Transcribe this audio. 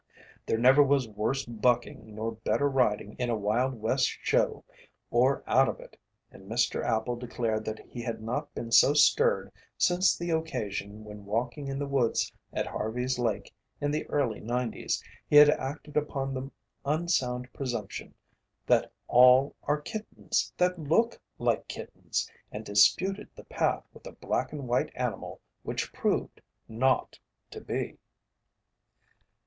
There never was worse bucking nor better riding in a Wild West Show or out of it, and Mr. Appel declared that he had not been so stirred since the occasion when walking in the woods at Harvey's Lake in the early '90's he had acted upon the unsound presumption that all are kittens that look like kittens and disputed the path with a black and white animal which proved not to be.